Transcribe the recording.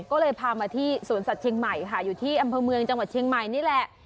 ก็เลยพามาที่สวนสัตว์เชียงใหม่ค่ะอยู่ที่อำเภอเมืองจังหวัดเชียงใหม่นี่แหละ